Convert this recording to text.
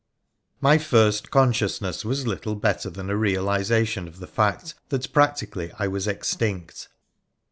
My first consciousness was little better than a realisation of the fact that practically I was extinct.